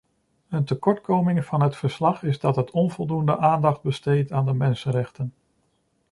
Een tekortkoming van het verslag is dat het onvoldoende aandacht besteedt aan de mensenrechten.